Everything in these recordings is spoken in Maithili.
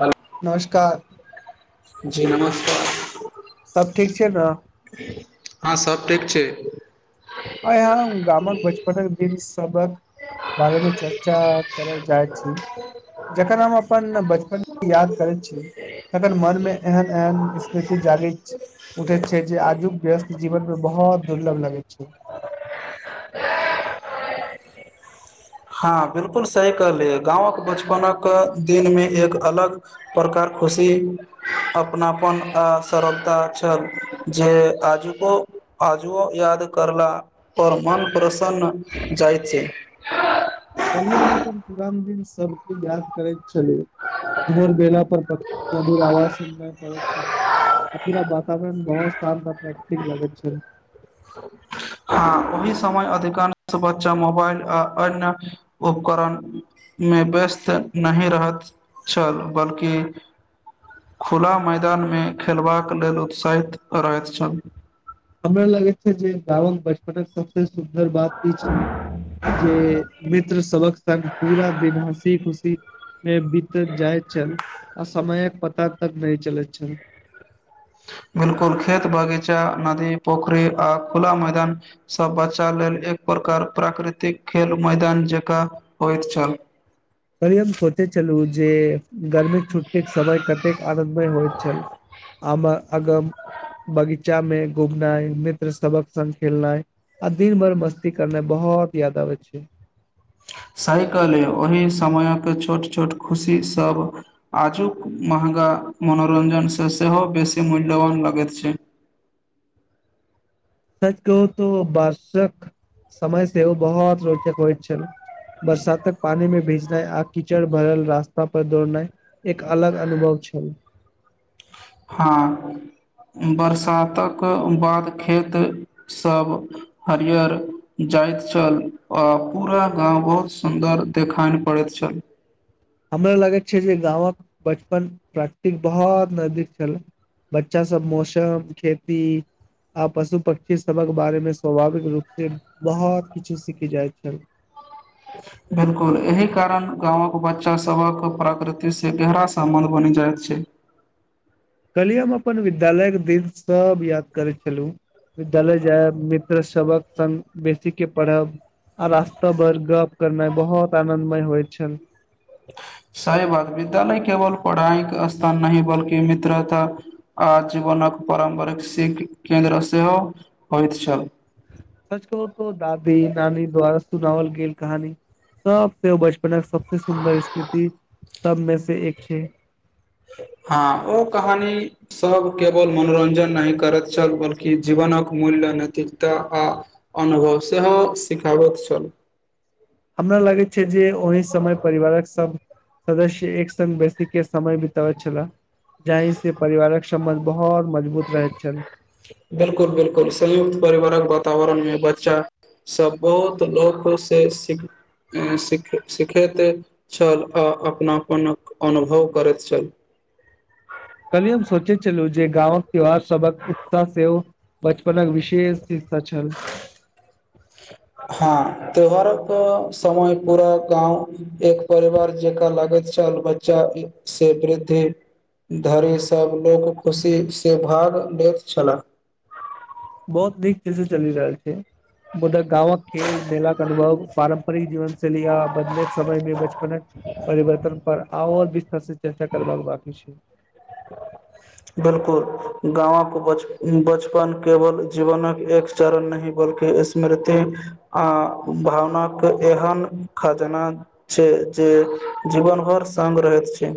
हेलो नमस्कार जी नमस्कार सब ठीक छै ने हँ सब ठीक छै। अ हँ, गामक बचपन दिन सबक बारेमे चर्चा करै छै। जाए छै। जखन हम अपन बचपन याद करैत छी तखन मन मे एहन एहन स्मृति जागृ उठैत छै जे आझू व्यस्त जीवन पर बहुत दुर्लभ लगै छै हँ बिलकुल सही कहलियै गाँवक बचपनक दिन मे एक अलग प्रकार खुशी, अपनापन आ सरलता छल जे आजुको आजुओ याद करला पर मन प्रसन्न जाइ छै। कल्हि हम अपन पुरान दिन सबके याद करैत छलू, भोर बेला पर प मधुर आवाज सुननाइ पड़ैत छ, अ पूरा वातावरण बहुत शांत प्रतीक लगैत छ। हँ ओहि समय अधिकांश बच्चा मोबाइल आ अन्य उपकरणमे व्यस्त नहि रहैत छल, बल्कि खुला मैदानमे खेलबाक लेल उत्साहित रहैत छल। हमरा लागै छै जे गावक बचपने सब सुन्दर बात ई छै जे मित्र सबक संग पूरा दिन हँसी खुशी मे बीत जाइत छल आ समयक पता तक नहि चलैत छल। बिलकुल खेत, बगीचा, नदी, पोखरि आ खुला मैदानसँ बचा लेल, एक प्रकार प्राकृतिक खेल मैदान जकाँ होइत छल। कली हम सोचे छलू जे गर्मी के छुट्टी के समय कतेक आदत भे होइल छल हम आगम बगीचा में घुमनाइ, मित्र सबक संग खेलनाइ आ दिन भर मस्ती करनाइ, बहुत याद आबे छै। सहिकालाले ओहि समयक छोट छोट खुशी सभ आजुक महंगा मनोरञ्जन सँ सेहो बेसी मूल्यवान लगैत छै। सच कहू तो बार्षक समय से ओ बहुत रोचक होइत छल, बरसातक पानी मे भीजनाइ आ कीचड़ भरल रास्ता पर दौड़नाइ एक अलग अनुभव छल। हँ, बरसातक बाद खेतसभ हरिियर जाइत छल आ पूरा गाँव बहुत सुन्दर देखय लेल पड़ैत छल। हमरा लगैत छै जे गाँवक बचपन प्राकृतिक बहुत नजदीक छल, बच्चा सब मौसम खेती आ पशु पक्षी सभक बारे मे स्वाभाविक रूपसँ बहुत किछु सीखी जाइत छल। बिल्कुल, एहि कारण गामवक बच्चासभक प्रकृतिसँ गहरा सम्बन्ध बनि जाइत छै। कहलियै हम अपन विद्यालय के दिन सब याद करै छलहुँ। विद्यालय जाय मित्र सबक सन बेसी के पढ़ब आ रास्त भर गप करनए बहुत आनदमय होइत छ। सही बात, विद्यालय केवल पढ़ाइक स्थान नहि बल्कि मित्रता आ जीवनक पारम्परिक सिकख केन्द्र सेहो होइत छल। सच कहू तो दादी नानी द्वारा सुनावल गेल कहानी सबसँ बच सबस सुन्दर स्मृति सब मे से एक छैे। हँ, ओ कहानी सभ केवल मनोरञ्जन नहि करैत छल बल्कि जीवनक मूल्य नैतिकता आ अनुभव सेहो सिखाबैत छल। हमरा लागै छै जे ओहि समय परिवारक सब सदस्य एक संगङ्ग बेसी के समय बितबैत छला, जाहि से परिवारक सम्बंध बहुत मजबूत रहैत छल बिलकुल-बिलकुल, संयुक्त परिवारक ब वातावरन मे बच्चा सभ बहुत लोक सँ सिख सिख सिखैत छल, आ अपनापनक अनुभव करैत छल। कली हम सोचे छललू जे गाँवक त्योहार सबक उत्साह सेहो बचपनक विशेष छल हँ, त्यौहार एक समय पूरा गाँव एक परिवार जकाँ लागैत छल, बच्चाँ वृद्धि धरि सभ लोक खुशीसँ भाग लैत छलाह। बहुत नीक से चलि रहल छै, मुदा गाँंवक खेल मेलाक के अनुभव, पारम्परिक जीवन शैली आ बदले समय मे बचपनक परिवर्तन पर आओर विस्तर से चर्चा करबाक बाकी छै। बिलकुल, गाँवक बच बचपन केवल जीवनक एक चरण नहि बल्कि स्मृति आ भावनाके एहन खजाना छै जे जीवन भर संग रहैत छै।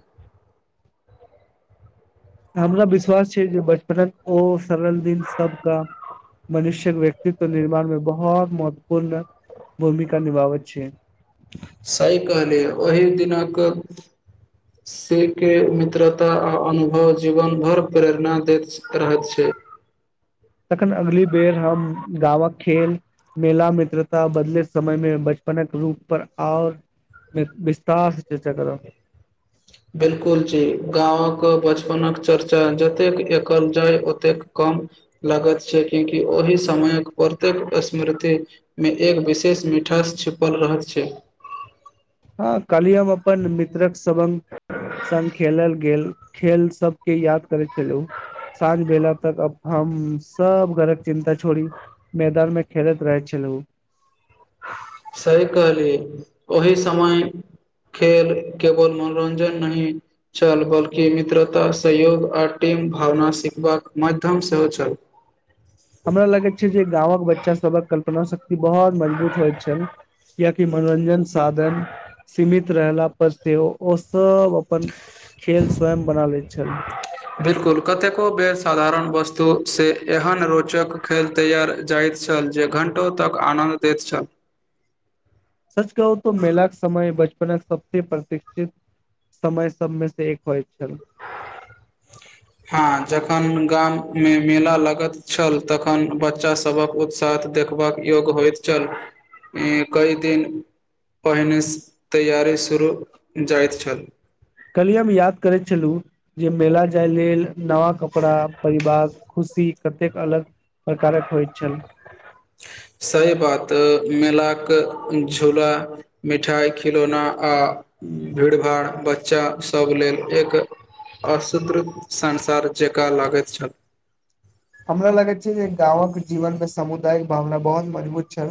हमरा विश्वास छै जे बचपनक ओ सरल दिन सबकऽ मनुष्य्यक व्यक्तित्व निर्माण मे बहुत महत्वपूर्ण भूमिका निभाबैत छै स कहली ओहि दिनक सके मित्रता आ अनुभव जीवन भर प्रेरणा दैत रहैत छै तखन अगली बेर हम गाँवक खेल मेला मित्रता बदले समयमे बचपनक रूप पर आओर विस्तारसँ चर्चा करब बिलकुल जी गाँवक बचपनक चर्चा जतेक एकल जाय ओतेक कम लागैत छै क्यकि ओहि समयक प्रत्येक स्मृतिमे एक विशेष मिठास छिपल रह छै काली हम अपन मित्रक स संग खेलल गेल खेल सबके याद करैत छलहु, साँझ बेला तक हम सब घरक चिन्ता छोड़ी मैदान मे खेलैत रहै छलहु। सही कहलिय, ओहि समय खेल केवल मनोरञ्जन नहिी छल, बल्कि मित्रता सहयोग आ टीम भावना सिखबाक माध्यम सेहो छल। हमरा लगैत छै जे गाँवक बच्चा सबक कल्पना सक बहुत मजबूत होइत छ कियाकि मनोरञ्जन साधन सीमित रहला पर सेहो ओ सब अपन खेल स्वयं बना लैत छल बिलकुल कतेको बेर सधारण वस्तु स्तु से एहन रोचक खेल तैयार जाइत छल जे घण्टो तक आनन्द दैत छल सच कहू त मेलाक क समय बचपन सबस प्रतिकक्षित समय सबमे से एक होइ छै हँ जखन गाम मेंम मेला लगैत छल तखन बच्चासभक उत्साह देखबाक योग्य होइत छल कई दिन पहिनेसँ तैयारी शुरू जाइत छल कहलियी हम याद करैत छलहुँ जे मेला जाय लेल नव कपड़ा परिवार खुशी कतेक अलग प्रकारक होइत छल सही बात मेलाक झूला मिठाइ खिलौना आ भीड़ भाड़ बच्चासभ लेल एक असृत संसार जकाँ लागैत छल हमरा लगैत छै जे गाँंव के जीवन मे सामुदायिक भावना बहुत मजबूत छै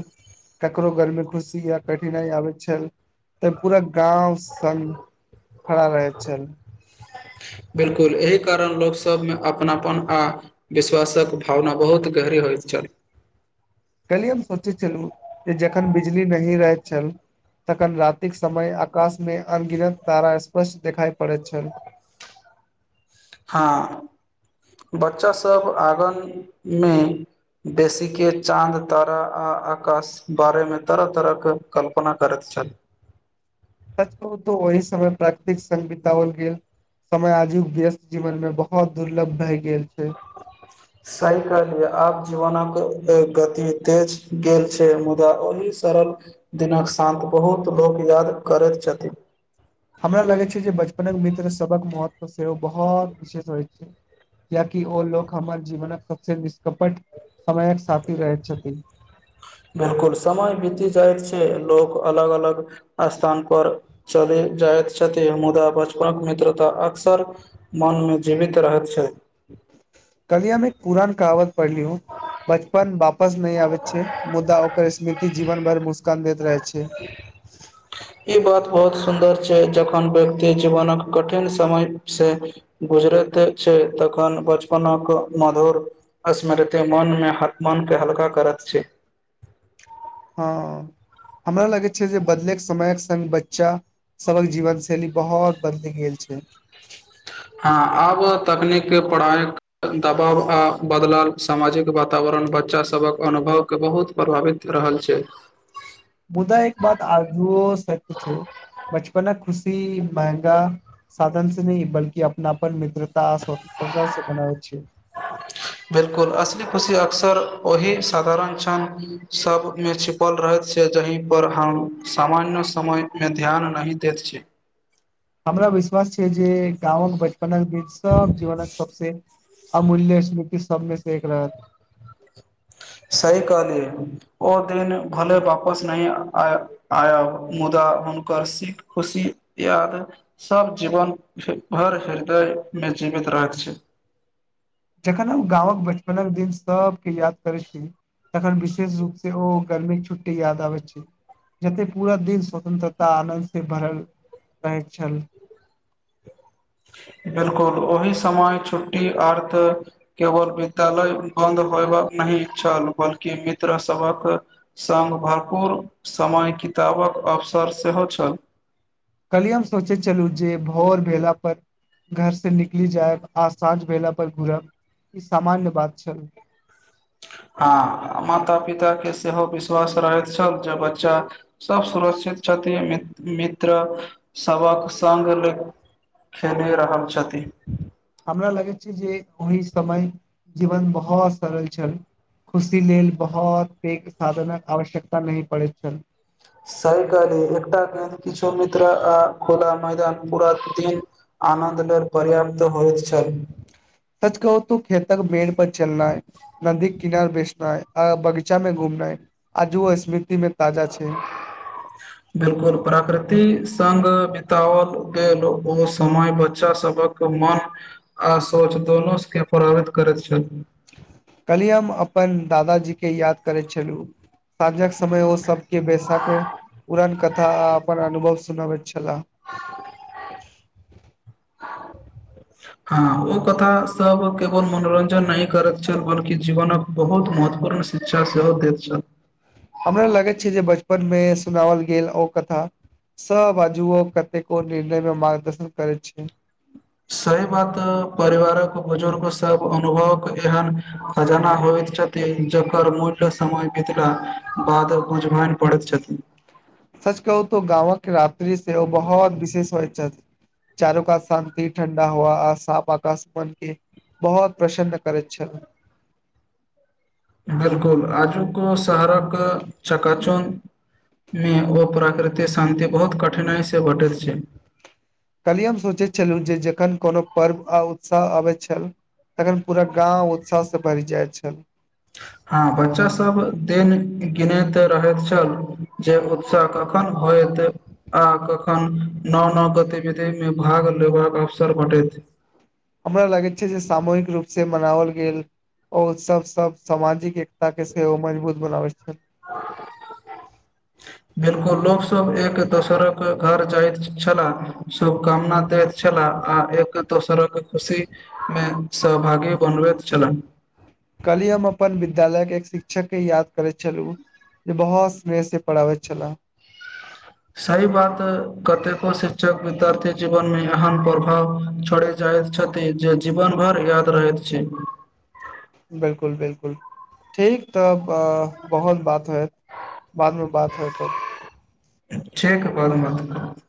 केकरो घर मे खुशी या कठिनाई आबैत छै तऽ पूरा गांव संग खड़ा रहैत छै। बिल्कुल एहि कारण लोकसभमे अपनापन आ विश्वासक भावना बहुत गहरी होइत छल कलहि हम सोचैत छलहुँ जे जखन बिजली नहि रहैत छल तखन रातिक समय आकाश मे अनगिनत तारा ए स्पष् देखाइ पड़ैत छल हँ बच्चासभ आङ्गनमे बेसीके चाँद तारा आ आकाश बारेमे तरह तरहके कल्पना करैत छल सच कहू तऽ ओहि समय प्राकृतिक स बितओल गेल समय आजुक व्यस्त जीवन मे बहुत दुर्लभ भए गेल छै सही कहलियअ आप जीवन अके गति तेज गेल छै मुदा ओहि सरल दिनक शान्त बहुत लोक याद करैत छथिन हमरा लगै छै जे बचपनक मित्र सबक महत्व सेहो बहुत विशेष होइत छै कियकि ओ लोक हमर जीवनक सबस निष्कपट समयक साथी रहैत छथिन बिलकुल समय बीति जाइत छै लोक अलग अलग स्थान पर चलि जाइत छथि मुदा बचपनक मित्रता अक्सर मन में जीवित रहैत छै कल्हि हम एक पुरान कहावत पढ़यौ बचपन वापस नहि आबे छै मुदा ओकर स्मृति जीवन भर मुस्कान दैत रहै छै [unintelligible] ई बात बहुत सुन्दर छै जखन व्यक्ति जीवनक कठिन समयसँ गुजरैत छै तखन बचपनक मधुर स्मृति मन में तमनके हल्का करैत छै हँ हमरा लगैत छै जे बदलैके समयक सङ्ग बच्चा सभक जीवन शैली बहुत बदलि गेल छै हँ आब तकनीक पढ़ाइक दबाव आ बदलल सामाजिक वातावरण बच्चासभक अनुभवके बहुत प्रभावित रहल छै मुदा एक बात आजु सत्य छै बचपन खुशी महंगा साधन से न बलकि अपनापन म ता स्वतत्रता से बनाबै छै बिलकुल असली खुशी अक्सर ओहि साधारण क्षण सभमे छिपल रहैत छै जहि पर हम सामान्य समयमे ध्यान नहि दैत छी हमरा विश्वास छै जे गाम ब सब जीवनक सबसे अमूल्य सबमें से एक राह सही कहलियै ओ दिन भले वापस नहि आ आयब मुदा हुनकर सीख खुशी याद सब जीवन भर हृदय में जीवित रहैत छै जखन हम गाँवक बचपनक दिन सभके याद करैत छी तखन विशेष रूपसँ ओ गर्मीक छुट्टी याद आबै छै जते पूरा दिन स्वतंत्रता आनन्द से भरल रहैत छल बिल्कुल ओहि समय छुट्टी अर्थ केवल विद्यालय बन्द होयबाक नहि छल बल्कि मित्रसभक सङ्ग भरपूर समय किताबक अवसर सेहो छल कलियै हम सोचे छलु जे भोर भेला पर घर से निकलि जायब आ साँझ भेला पर घूरब ई सामान्य बात छल हँ माता पिताके सेहो विश्वास रहैत छल जे बच्चा सभ सुरक्षित छथिन मित्र सभक सङ्ग खेले रहल छथिन हमरा लगैत छै जे ओहि समय जीवन बहुत सरल छल खुशी लेल बहुत पैघ साधनक आवश्यकता नहि पड़ैत छल सही कहली एकटा किछु मित्र आ खुला मैदान पुरा दिन आनन्द लेल पर्याप्त होइ सच कहू तू खेतक मेड़ पर चलनाइ नदी किनार बैसनाइ आ बगीचा मे घूमनाइ आजो स्मृति में बिल्कुल प्राकृति सङ्ग बितओल गेल ओ समय बच्चासभक मन आ सोच दुनूके प्रभावित करैत छल काल्हि हम अपन दादाजी के याद करैत छलहुँ साँझक समय ओ सबके बैसाकऽ पुराण कथा आ अपन अनुभव सुनाबैत छलाह हँ ओ कथा सब केवल मनोरञ्जन नहि करैत छल बल्कि जीवनक बहुत महत्वपूर्ण शिक्षा सेहो दैत छल हमरा लगैत छै जे बचपनमे सुनाओल गेल ओ कथा सह बाजूओ कतेको निर्णयमे मार्गदर्शन करैत छै सही बात परिवारक बुजुर्गसभ अनुभवक एहन खजाना होइत छथिन जकर मूल्य समय बितला बाद बुझबाइन पड़ैत छथिन सच कहू तऽ गाँव के रात्रि से ओ बहुत विशेष होइत छथि चारू कात शांति ठण्डा हवा आ साफ आकाश मन के बहुत प्रसन्न करैत छथि बिल्कुल आजुक शहरक चकाचूनमे ओ प्राकृतिक शान्ति बहुत कठिनाइसँ भेटैत छै काल्हि हम सोचैत छलहुँ जे जखन कोनो पर्व आ उत्साह अबैत छल तखन पूरा गाँव उत्साहसँ भरि जाइत छल हँ बच्चासभ देन गिनैत रहैत छल जे उत्साह कखन होयत आ कखन नव -नव गतिविधिमे भाग लेबाक अवसर भेटैत हमरा लागैत छै जे सामूहिक रूप से मनाओल गेल ओ उत्सव सब सामाजिक- -ता के सेहो मजबूत बनाबै छल सभ एक दोसरक घर जाइत छलाह शुभकामना दैत छलाह आ एक दोसरक खुशीमे सहभागी बनबैत छलाह काल्हि हम अपन विद्यालयके एक शिक्षकके याद करैत छलहुँ जे बहुत स्नेहसँ पढ़ाबैत छलाह सही बात कतेको शिक्षक विद्यार्थी जीवनमे एहन प्रभाव छोड़य जाइत छथि जे जीवन भरि याद रहैत छै बिल्कुल बिल्कुल ठीक तब बहुत बात होयत बादमे बात होय तब ठीक बाद मत